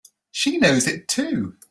She knows it too!